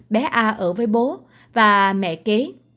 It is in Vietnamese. bé a ở với bố và mẹ kế